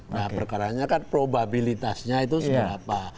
nah perkaranya kan probabilitasnya itu seberapa